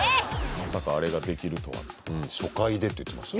まさかあれができるとは初回でって言ってました